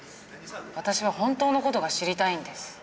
私は本当の事が知りたいんです。